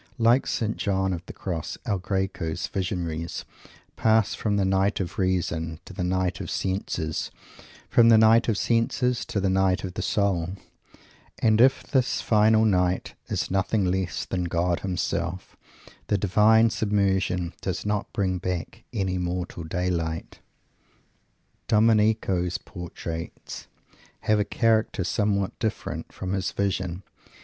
Like St. John of the Cross, El Greco's visionaries pass from the Night of the Reason to the Night of the Senses; from the Night of the Senses to the Night of Soul; and if this final Night is nothing less than God Himself, the divine submersion does not bring back any mortal daylight. Domenico's portraits have a character somewhat different from his visions.